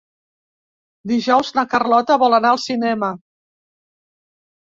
Dijous na Carlota vol anar al cinema.